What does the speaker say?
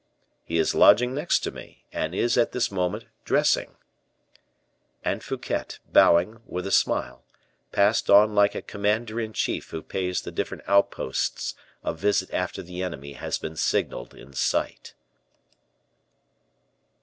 "He is lodging next to me, and is at this moment dressing." And Fouquet, bowing, with a smile, passed on like a commander in chief who pays the different outposts a visit after the enemy has been signaled in sight.